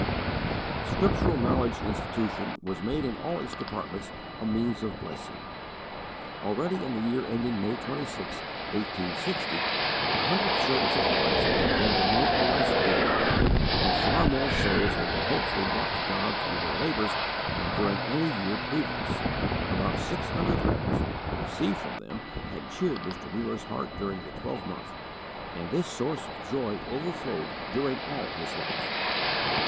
The Scriptural Knowledge Institution was made in all its departments a means of blessing. Already in the year ending May 26, 1860, a hundred servants of Christ had been more or less aided, and far more souls had been hopefully brought to God through their labours than during any year previous. About six hundred letters, received from them, had cheered Mr. Muller's heart during the twelvemonth, and this source of joy overflowed during all his life.